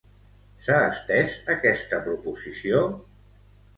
S'ha estès aquesta proposició?